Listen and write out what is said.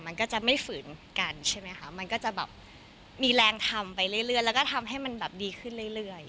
มันก็จะไม่ฝืนกันใช่ไหมคะมันก็จะแบบมีแรงทำไปเรื่อยแล้วก็ทำให้มันแบบดีขึ้นเรื่อย